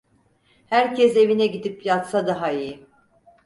Herkes evine gidip yatsa daha iyi.